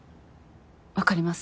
わかります